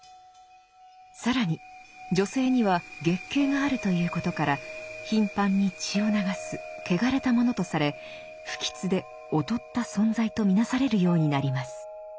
更に女性には月経があるということから頻繁に血を流すけがれたものとされ不吉で劣った存在と見なされるようになります。